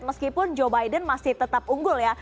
meskipun joe biden masih tetap unggul ya